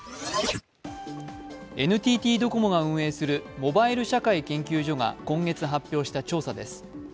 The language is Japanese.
ＮＴＴドコモが運営するモバイル社会研究所が今月発表した調査です。